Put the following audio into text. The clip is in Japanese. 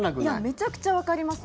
めちゃくちゃわかります。